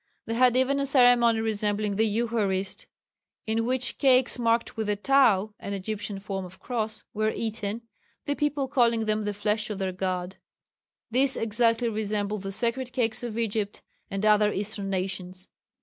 They had even a ceremony resembling the Eucharist, in which cakes marked with the Tau (an Egyptian form of cross) were eaten, the people calling them the flesh of their God. These exactly resemble the sacred cakes of Egypt and other eastern nations.